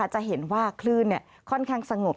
จะเห็นว่าคลื่นค่อนข้างสงบ